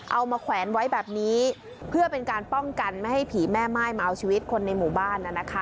เอามาแขวนไว้แบบนี้เพื่อเป็นการป้องกันไม่ให้ผีแม่ม่ายมาเอาชีวิตคนในหมู่บ้าน